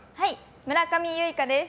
村上結奏です。